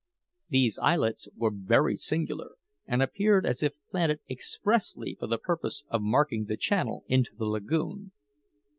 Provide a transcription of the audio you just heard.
These islets were very singular, and appeared as if planted expressly for the purpose of marking the channel into the lagoon.